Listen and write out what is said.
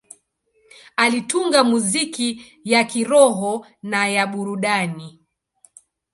Alitunga muziki ya kiroho na ya burudani.